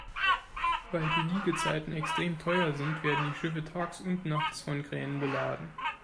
Weil die Liegezeiten extrem teuer sind, werden die Schiffe tags und nachts von Kränen beladen.